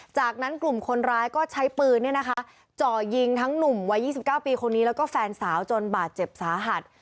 จากนั้นกลุ่มคนร้ายก็ใช้ปืนจ่อยิงทั้งหนุ่มวัย๒๙ปีคนนี้แล้วก็แฟนสาวจนบาดเจ็บสาหัส